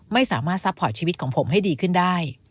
ไม่สามารถซัพพอร์ตชีวิตของผมให้ดีขึ้นได้